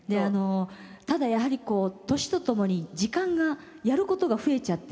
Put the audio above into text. ただやはり年とともに時間がやる事が増えちゃって。